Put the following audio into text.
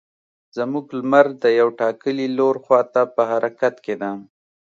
زموږ لمر د یو ټاکلي لور خوا ته په حرکت کې ده.